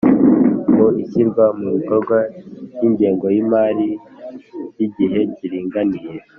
mu ishyirwa mu bikorwa y'ingengo y'imari y'igihe kiringaniye